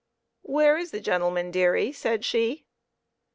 " Where is the gentleman, dearie ?" said she.